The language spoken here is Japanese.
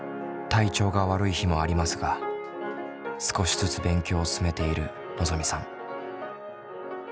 体調が悪い日もありますが少しずつ勉強を進めているのぞみさん。